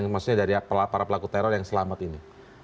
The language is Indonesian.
maksudnya dari para pelaku teror yang selamat ini